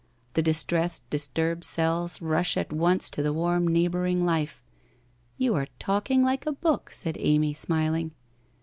The distressed, disturbed cells rush at once to the warm neighbouring life ' 'You are talking like a book/ said Amy, smiling.